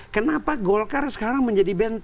kenapa golkar sekarang menjadi benar benar